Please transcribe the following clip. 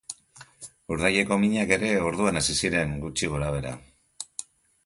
Urdaileko minak ere orduan hasi ziren gutxi gorabehera.